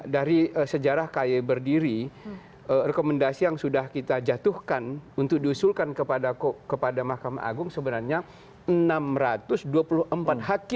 dari sejarah ky berdiri rekomendasi yang sudah kita jatuhkan untuk diusulkan kepada mahkamah agung sebenarnya enam ratus dua puluh empat hakim